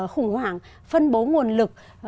khủng hoảng phân bổ nguồn lực